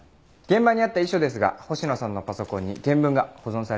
現場にあった遺書ですが星野さんのパソコンに原文が保存されてました。